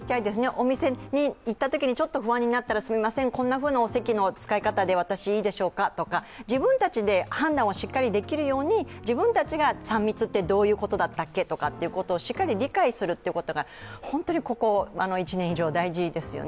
お店に行ったときに、ちょっと不安になったら、こんなふうなお席の使い方いいでしょうかとか自分たちで判断をしっかりできるように自分たちが３密ってどういうことだったっけとしっかり理解することが本当に、ここ１年以上、大事ですよね。